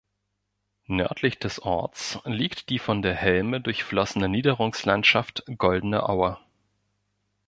Nördlich des Orts liegt die von der Helme durchflossene Niederungslandschaft Goldene Aue.